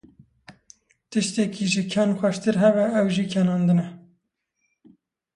Tiştekî ji ken xweştir hebe ew jî kenandin e.